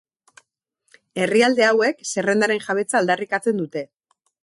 Herrialde hauek zerrendaren jabetza aldarrikatzen dute.